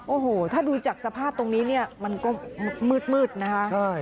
โอ้โหถ้าดูจากสภาพตรงนี้เนี่ยมันก็มืดนะคะ